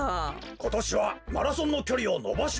ことしはマラソンのきょりをのばしましょうか？